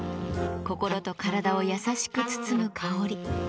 心と体を優しく包む香り。